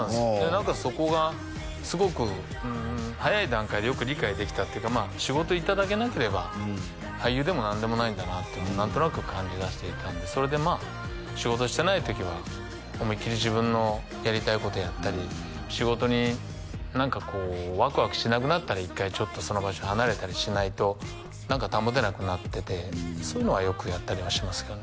何かそこがすごく早い段階でよく理解できたっていうか仕事いただけなければ俳優でも何でもないんだなっていうのが何となく感じがしていたんでそれでまあ仕事してない時は思い切り自分のやりたいことやったり仕事に何かこうワクワクしなくなったら一回ちょっとその場所離れたりしないと何か保てなくなっててそういうのはよくやったりはしますけどね